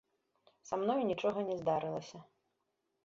Са мною нічога не здарылася.